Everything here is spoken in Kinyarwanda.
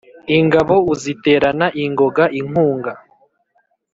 ingabo uziterana ingoga inkunga